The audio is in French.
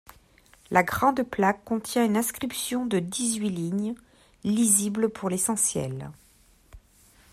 La grande plaque contient une inscription de dix-huit lignes, lisible pour l'essentiel.